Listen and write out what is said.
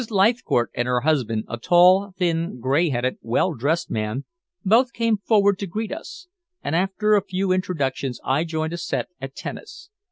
Leithcourt and her husband, a tall, thin, gray headed, well dressed man, both came forward to greet us, and after a few introductions I joined a set at tennis.